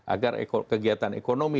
agar kegiatan ekonomi